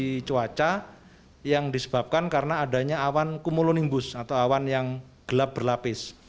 kondisi cuaca yang disebabkan karena adanya awan kumulonimbus atau awan yang gelap berlapis